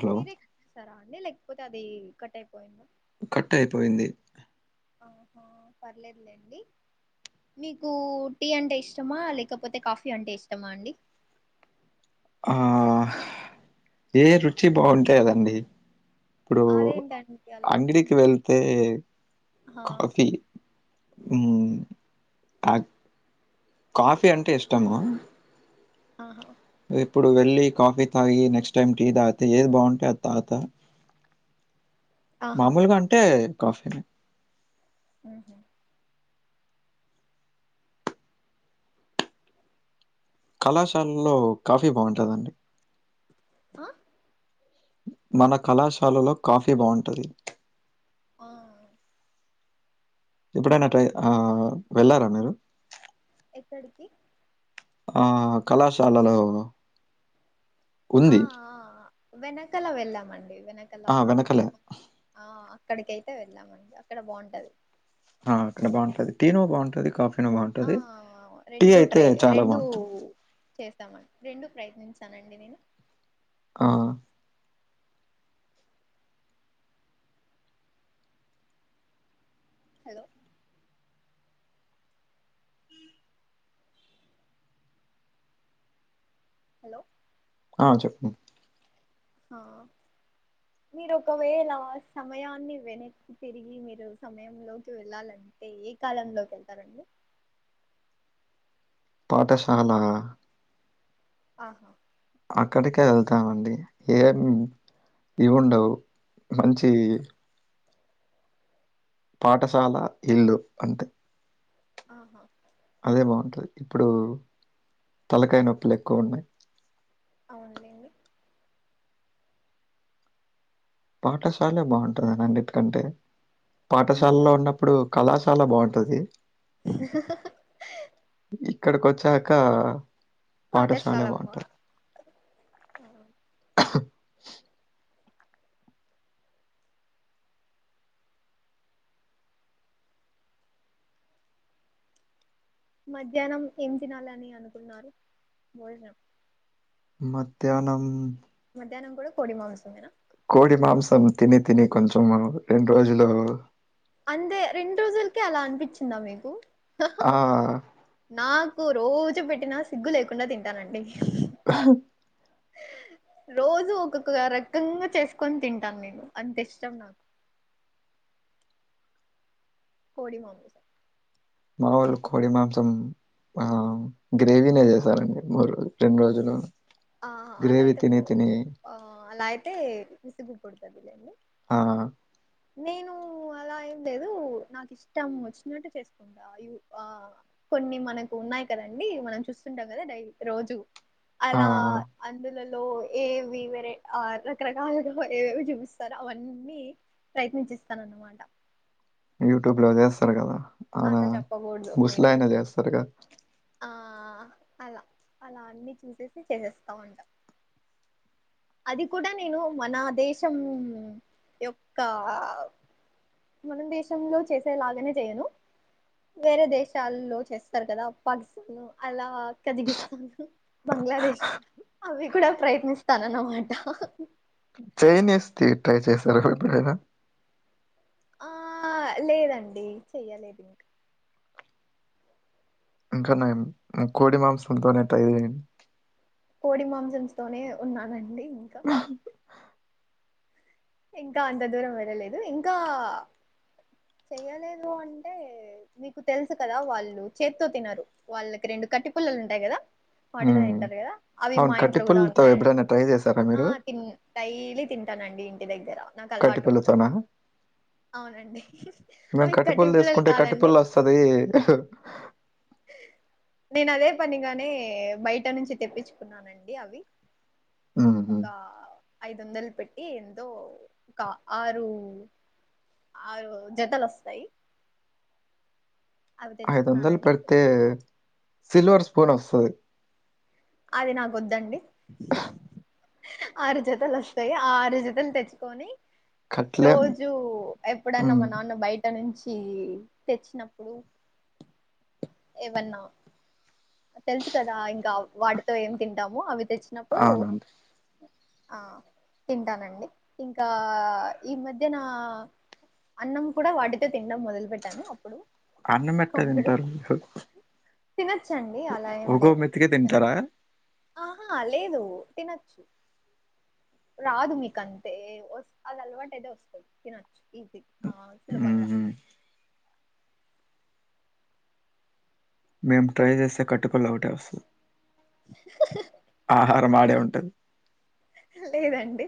Hello మీరే కట్టేస్తారా అండి లేకపోతే అది కట్ అయిపోయింద కట్ అయిపోయింది అహ పర్లేదులేండి మీకు టీఅంటే ఇష్టమా లేకపోతే కాఫీఅంటే ఇష్టమా అండి ఆహ్ ఏరుచి బావుంటే అదండి ఇప్పుడు అదేంటండి అలా అంగ్డికి వెళ్తే ఆహా కాఫీ ఉమ్ అ కాఫీ అంటే ఇష్టము అహ ఇప్పుడు వెళ్ళి కాఫీ తాగి నెక్స్ట్ టైమ్ టీ తాగితే ఏది బావుంటే అత్తాత ఆ మామూలుగా అంటే కాఫీనే ఉహు కళాశాలల్లో కాఫీ బావుంటదండి అ మన కళాశాలలో కాఫీ బావుంటది అ ఎప్పుడైనా అట్ల ఆ వెళ్ళారా మీరు ఎక్కడికి ఆ కళాశాలలో ఆ వుంది ఆ వెనకల వెళ్ళామండి వెనకల ఆ వెనకలే ఆ అక్కడికైతే వెళ్ళామండి అక్కడ బావుంటది అ అక్కడ బావుంటది టీను బావుంటది కాఫీను ఆ బావుంటది టీ అయితే చాలా బావుంటది చేస్తమ రెండు ప్రయత్నించానండి నేను అ హాలో హాలో అ చెప్పు హా మీరు ఒకవేళ సమయాన్ని వెనక్కి తిరిగి మీరు సమయంలోకి వెళ్ళాలంటే ఏ కాలంలోకి ఎళ్తారండి పాఠశాల అహ అక్కడికే ఎళ్తామండి ఏం ఇవుండవు మంచి పాఠశాల ఇల్లు అంతే అహ అదే బావుంటది ఇప్పుడు తలకాయ నొప్పులు ఎక్కువున్నయ్ అవున్లేండి పాఠశాలే బావుంటదండి అన్నిటికంటే పాఠశాలలో నిజమే ఉన్న ఇప్పుడు కళాశాల బావుంటది ఎ సార్ ఇక్కడికొచ్చాక పాఠశాలకు ప అహ్హు మద్యానం ఏం తినాలని అనుకున్నారు బొజ్నం మద్యానం మద్యానం కూడ కోడి మాంసమేనా కోడి మాంసం తిని తిని కొంచెము మన రెండ్రోజులు అంతే రెండు రోజులకే అలా అనిపించిందా మీకు హ ఆ నాకు రోజు పెట్టినా సిగ్గు లేకుండా తింటానండి అ రోజూ ఒక్కక్క రకంగా చేసుకొని తింటాను నేను అంత ఇష్టం నా కోడి మాంసం మాముూలు కోడి మాంసం ఆ గ్రేవీనే చేసారండి మూడు రెండు రోజులు ఆ అలా గ్రేవి అయితే బో తిని తిని ఆ అలా అయితే విసుగు పుడుతది లేండి ఆ నేను అలా ఏం లేదు నాకు ఇష్టం వచ్చినట్టు చేసుకుం అ ఆ కొన్ని మనకు ఉన్నాయి కదండి మనం చూస్తుంటాం కదా డై రోజు ఆ అలా అందులలో ఏవి వరే రకరకాలుగా ఏవేవి చూపిస్తారు అవన్నీ ప్రయత్నించేస్తానన్నమాట యూట్యూబ్లో చేస్తరు కదా అవునా అట్లా చెప్పకూడదు ముసలా మీరు ఆయనా చేస్తరు క ఆ అలా అలా అన్ని చూసేసి చేసేస్తా ఉంటా అది కూడా నేను మన దేశం యొక్క మనం దేశంలో చేసేలాగానే చేయను వేరే దేశాల్లో చేస్తరు కదా పాకిస్తాన్ అలా కజగిస్తాను బంగ్లాదేశ్ అవి కూడా ప్రయత్నిస్తానన్నమాట చైనీస్ ట్రై చేశార ఎప్పుడైనా ఆ లేదండి చెయ్యలేదు ఇంక ఇంకా నయం కోడి మాంసంతోనేటై కోడి మాంసంస్ తోనే ఉన్నానండి ఇంకా ఇంకా అంత దూరం వెళ్ళలేదు ఇంకా చెయ్యలేదు అంటే మీకు తెలుసు కదా వాళ్ళు చేత్తో తినరు వాళ్ళకి రెండు కట్టి పుల్లలు ఉంటాయి కదా వాటిదో హ్మ్ తింటారు కదా అవి మా అవును ఇంట్లో కూడా కట్టిపుల్లతో ఉన్నాయ్ ఎప్పుడైనా ట్రై చేశారా ఆ మీరు తిన్ డైలీ తింటానండి ఇంటి దగ్గర నాకు అలవాటు కట్టిపుల్లతోనా అవునండి అవి కట్టి పుల్లలు కాదండి సదే నేను అదే పనిగానే బయట నుంచి తెప్పించుకున్నానండి అవి హ్మ్ హు ఒక ఐదు వందలు పెట్టి ఎంతోఒక ఆరు ఆ జతలు వస్తయ్ ఐదు వందలు తెచ్చుకున్నానండి పెడితే సిల్వర్ స్పూన్ వస్తది అది నాకు వద్దండి ఆరు జతలు వస్తాయ్ ఆరు జతలు తెచ్చుకొని కట్లెం రోజు ఎప్పుడన్నా హ్మ్ మా నాన్న బయ్ ఇక్క నుంచి తెచ్చినప్పుడు ఏవన్నా తెలుసు కదా ఇంకా వాటితో ఏం తింటాము అవి తెచ్చినప్పుడు అవును ఆ తింటానండి ఇంకా ఈ మధ్యనా అన్నం కూడా వాటితో తినడం మొదలుపెట్టాను అప్పుడు అన్నం పెడితే ఒకప్పుడు తింటారు తినొచ్చండి అలా ఏం ఒగో లేదు మెతికే తింటారా తినొచ్చు ఆహా లేదు తినొచ్చు రాదు మీకంటే వస్ అది అలవాటయితే వస్తాది తినచ్చు ఈజీగా ఆ సులభంగా మ్మ్ మేము ట్రై చేస్తే కట్టి పుల్ల ఒకటే వస్తాది ఆ ఆహారం ఆడే ఉంటాది లేదండి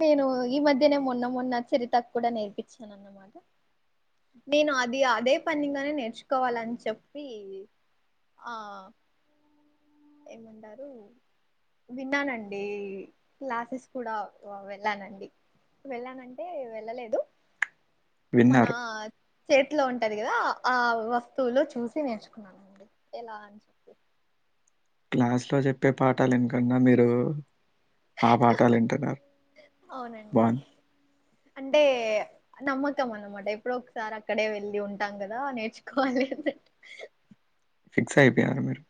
నేను ఈ మధ్యనే మొన్న మొన్న చరిత కూడా నేర్పించాను అన్నమాట నేను అది అదే పనిగానే నేర్చుకోవాలని చెప్పి ఇది ఆ ఏమండారు విన్నానండి క్లాసెస్ కూడా వెళ్లానండి వెళ్లానంటే వెళ్లలేదు మన విన్నారు చేట్లో ఉంటది కదా ఆ వస్తువులో చూసి నేర్చుకున్నాను అండి ఎలా అని చెప్పి క్లాసులో చెప్పే పాఠాలు ఇనుకొండ మీరు ఆ పాఠాలు వింటారా అవునండి బాన్ అంటే నమ్మకం అన్నమాట ఎప్పుడో ఒకసారి అక్కడే వెళ్లి ఉంటాం కదా నేర్చుకోవాలి అంతే ఫిక్స్ అయిపోయారు మీరు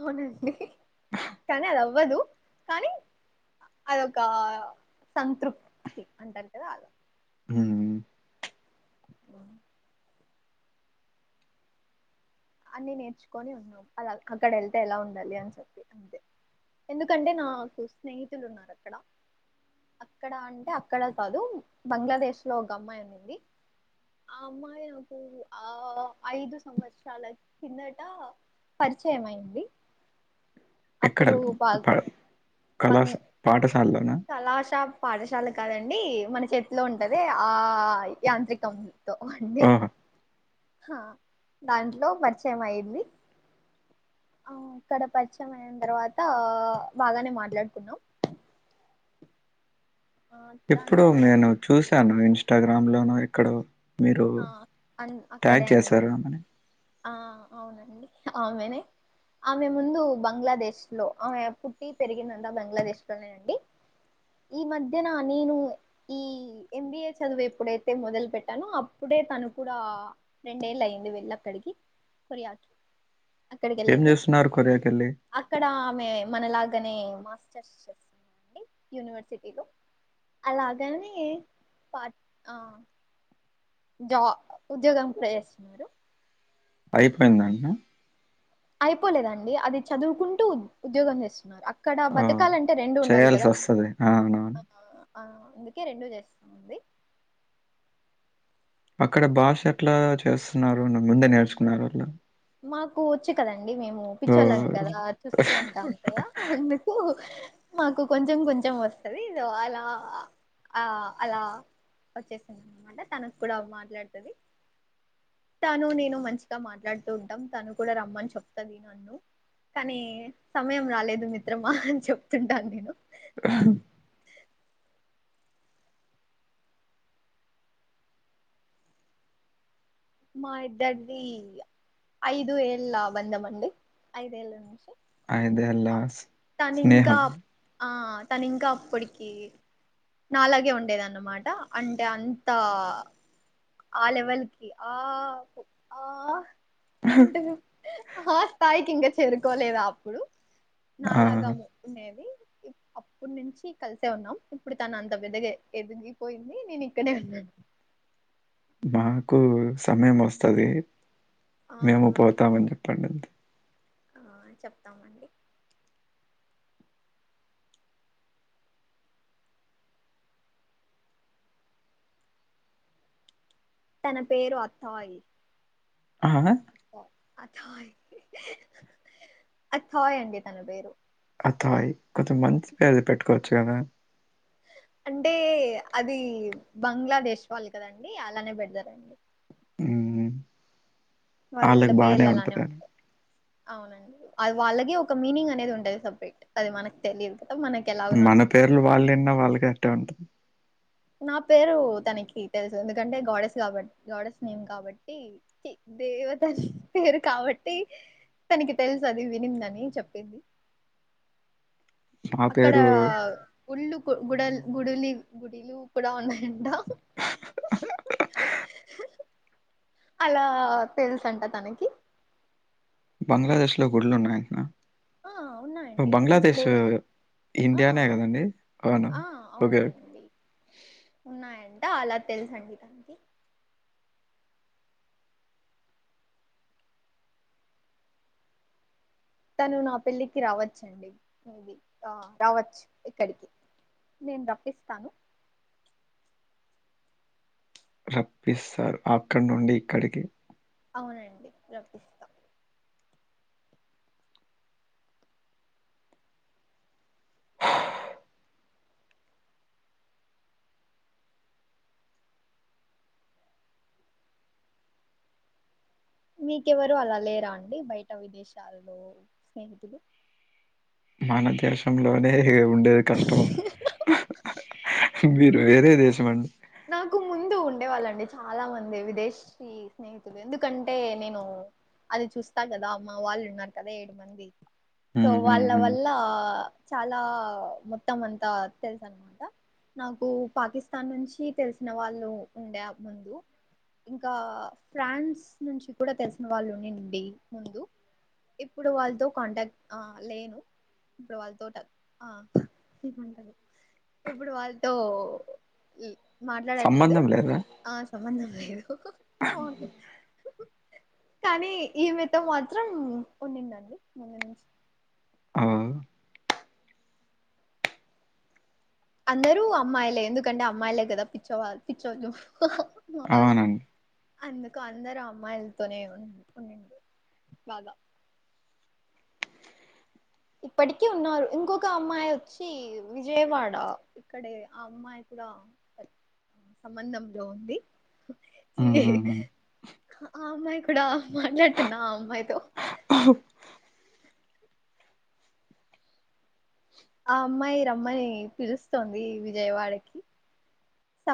అవునండి కానీ అది అవ్వదు కానీ అదొక సంతృప్తి అంటారు కదా అలా ఉ అబ అన్ని నేర్చుకొని ఉన్నాం అలా అక్కడ వెళ్తే ఎలా ఉంటాది అని చెప్పి అంతే ఎందుకంటే నాకు స్నేహితులు ఉన్నారు అక్కడ అక్కడ అంటే అక్కడ కాదు బంగ్లాదేశ్లో ఒక అమ్మాయి ఉన్నింది ఆ అమ్మాయి అప్పుడు ఆ ఐదు సంవత్సరాలకి కిందట పరిచయం అయింది ఎక్కడ అప్పుడు బా ప బంగ్ కళాశ పాఠశాలలోనా చలా షాప్ పాఠశాల కాదండి మన చేతిలో ఉంటాదే ఆ యాంత్రికం తో అండి ఓహో హ దాంట్లో పరిచయం అయింది ఆ ఇక్కడ పరీచయం అయిన తర్వాత బాగానే మాట్లాడుకున్నాం ఆ దాని ఎప్పుడో తర్వాత నేను చూశాను ఇన్స్టాగ్రామ్ లోనో ఎక్కడో మీరు ఆ ట్యాగ్ అక్కడే అండి చేశారా ఆమెని ఆ అవునండి ఆమెని ఆమె ముందు బంగ్లాదేశ్ లో పుట్టి పెరిగిందంతా బంగ్లాదేశ్లో నేనండి ఈ మధ్యన నేను ఈ ఎంబీఏ చదువు ఎప్పుడైతే మొదలు పెట్టాను అ అప్పుడే తను కూడా రెండేళ్లు అయింది వెళ్లి అక్కడికి కొరియాకి అక్కడికి ఏం వెళ్ళింది చేస్తున్నారు కొరియా కి వెళ్లి అక్కడ ఆమె మనలాగనే మాస్టర్స్ చే టి యూనివర్సిటీలో అలాగానే పా ఆ జా ఉద్యోగం పేరు [inaudible] చేస్తున్నారు అయిపోయిందండి అయిపోలేదండి అది చదువుకుంటూ ఉద్యోగం చేస్తున్నారు అక్ అక్కడ ఆ బతకాలంటే రెండు ఉండాలి కదా చేయాల్సి వస్తది అవునవును ఆ అందుకే రెండు చేస్తుంది అక్కడ భాష ఎట్లా చేస్తున్నారు నా ముందే నేర్చుకున్నారు వాళ్లు మాకు వచ్చు కదండి మేము సో, పిచ్చోళ్ళం అదే. కదా చూస్తూ ఉంటాం కదా మాకు కొంచెం కొంచెం వస్తది ఏదో అలా ఆ అలా వచ్చేసింది అన్నమాట తనకు కూడా మాట్లాడుతది తను నేను మంచిగా మాట్లాడుతూ ఉంటాం తను కూడా రమ్మని చెప్తది నన్ను కానీ సమయం రాలేదు మిత్రమా అని చెప్తుంటాను నేను మా ఇద్దరిది ఐదు ఏళ్ళ బందంమండి ఐదేళ్ళ నుంచి ఐదేల్లా తను ఇంకా స్నేహం ఆ తను ఇంకా అప్పటికి నాలగే ఉండేది అన్నమాట అంటే అంత ఆ లెవెల్కి ఆ ఆ ఏమంటారు ఆ స్థాయికి ఇంకా చేరుకోలేదా అప్పుడు ఆ! నాలాగానే ఉండేది అప్పుడు నుంచి కలిసే ఉన్నాం ఇప్పుడు తను అంత పెద్దగా ఎదిగిపోయింది నేను ఇక్కడే ఉన్నాను మాకు సమయం వస్తది ఆ మేము పోతామని చెప్పండి అంతే ఆ చెప్తామండి తన పేరు అత్తాయి ఆహ అథాయ్ అథాయ్ అండి తన పేరు అథాయ్ కొంచం మంచి పేరు పెట్టుకోవచ్చు కదా అంటే అది బంగ్లాదేశ్ వాళ్ళు కదండి అలానే పెడతారండి ఉమ్ వాళ్ళ పేర్లు అలానే ఉంటదని. ఉంటాయి అవునండి అది వాళ్ళగే ఒక మీనింగ్ అనేది ఉంటది సపరేట్ అది మనకు తెలియదు కదా మనకి ఎలాగనో మన అనిపిస్తుంది పేర్లు వాళ్ళు విన్న వాళ్ళకీ అట్టే ఉంటుంది నా పేరు తనకి తెలుసు ఎందుకంటే గాడెస్ కాబట్టి గాడెస్ నేమ్ కాబట్టి దేవతల పేరు కాబట్టి తనకి తెలుసు అది వినిందని చెప్పింది మా అక్కడ పేరు గుళ్ళు గుడ గుడులి గుడులు కూడా ఉన్నాయంట అలా తెలుసంట తనకి బంగ్లాదేశ్ లో గుళ్లు ఉన్నాయియట్న ఆ ఉన్నాయండి ఎందుకు బంగ్లాదేశ్ లేవు ఆ ఇండియానే కదండి అవునా ఆ ఓకేే అవునండి ఉన్నాయంట అలా తెలుసండి దానికి తను నా పెళ్ళికి రావచ్చండి ఆ రావచ్చు ఇక్కడికి నేను రప్పిస్తాను రప్పిస్తారు అక్కడ నుండి ఇక్కడికి అవునండి రప్పిస్తా మీకెవరు అలా లేరా అండి బయట విదేశాల్లో స్నేహితులు మన దేశంలోనే ఉండేది కష్టం హ హ ఇంకా మీరు వేరే దేశమోలు నాకు ముందు ఉండేవాళ్ళండి చాలా మంది విదేశ ఈ స్నేహితులు ఎందుకంటే నేను అది చూస్తా కదా మా వాళ్ళు ఉన్నారు కదా ఏడు మంది సో ఉమ్ ఉమ్ వాళ్ళ ఉమ్ వల్ల చాలా మొత్తం అంతా తెలుసా అమాట నాకు పాకిస్తాన్ నుంచి తెలిసిన వాళ్ళు ఉండే ఆ ముందు ఇంకా ఫ్రాన్స్ నుంచి కూడా తెలిసిన వాళ్ళు ఉండి నుండి ముందు ఇప్పుడు వాళ్ళతో కాంటాక్ట్ ఆ లేను ఇప్పుడు వాళ్ళతోట ఆ ఇ ఉండదు, ఇప్పుడు వాళ్ళతో ఇ మాట్లాడట్లేదు సంబంధం లేదా ఆ సంబంధం లేదు అవును కానీ ఈమతో మాత్రం ఉండిదండి ముందు నుంచి అవు అందరూ అమ్మాయిలే ఎందుకంటే అమ్మాయిలే కదా పిచ్చవాళ్ళు పిచ్చోళ్ళు మా వాళ అవునండి అందుకు అందరూ అమ్మాయిలతోనే ఉ ఉండండి బాగా ఇప్పటికీ ఉన్నారు ఇంకొక అమ్మాయి వచ్చి విజయవాడ ఇక్కడ అ అమ్మాయి కూడా సంబంధంలో ఉంది చి ఉమ్ ఉమ్ ఉమ్ ఆ అమ్మాయి కూడా మాట్లాడుతున్నా ఆ అమ్మాయితో ఆ అమ్మాయి రమ్మని పిలుస్తోంది విజయవాడకి సా